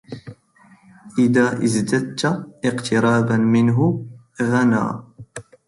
إذا ازددت اقتراباً منه غنىَّ